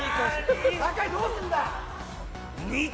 酒井、どうするんだ！